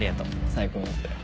最高だったよ。